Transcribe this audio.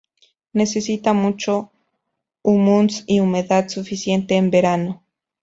Necesita mucho humus y humedad suficiente en verano.